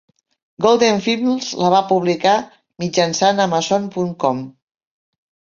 Golden Films la va publicar mitjançant Amazon punt com.